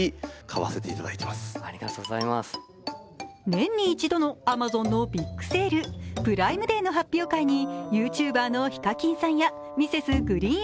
年に一度のＡｍａｚｏｎのビッグセール、プライムデーの発表会にＹｏｕＴｕｂｅｒのＨＩＫＡＫＩＮさんや、Ｍｒｓ．ＧＲＥＥＮＡＰＰＬＥが登場。